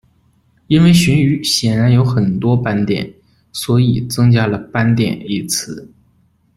因为鳟鱼显然有“很多斑点”，所以增加了“斑点”一词。